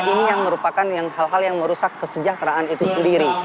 ini yang merupakan hal hal yang merusak kesejahteraan itu sendiri